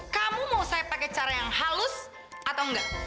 kamu mau saya pakai cara yang halus atau enggak